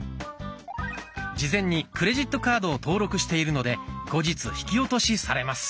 事前にクレジットカードを登録しているので後日引き落としされます。